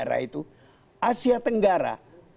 daerah itu asia tenggara